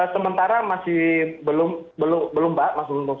sementara masih belum pak